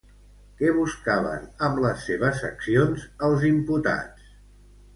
Què buscaven amb les seves accions els imputats?